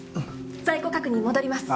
在庫確認戻ります。